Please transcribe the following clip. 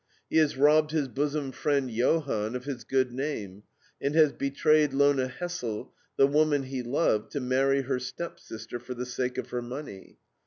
He has robbed his bosom friend, Johann, of his good name, and has betrayed Lona Hessel, the woman he loved, to marry her step sister for the sake of her money.